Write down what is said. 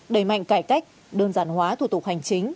đẩy mạnh cải cách đơn giản hóa thủ tục hành chính